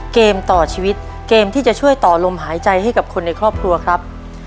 เกมต่อชีวิตเกมที่จะช่วยต่อลมหายใจให้กับคนในครอบครัวครับ